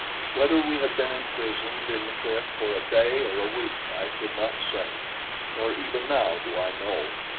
Whether we had been imprisoned in the cliff for a day or a week I could not say; nor even now do I know.